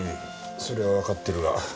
それはわかってるが。